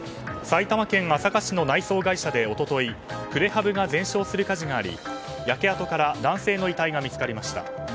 埼玉県朝霞市の内装会社で一昨日プレハブが全焼する火事があり焼け跡から男性の遺体が見つかりました。